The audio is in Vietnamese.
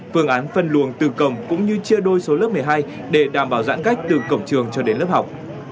phương án phân luồng từ cổng cũng như chia đôi số lớp một mươi hai để đảm bảo giãn cách từ cổng trường cho đến lớp học